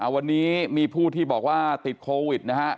วันนี้มีผู้ที่บอกว่าติดโควิดนะฮะ